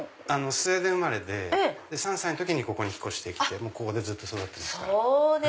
スウェーデン生まれで３歳の時にここに引っ越して来てここでずっと育ってます。